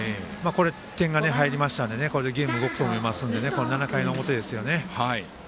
点が入りましたのでこれでゲームが動くと思いますので７回の表ですよね。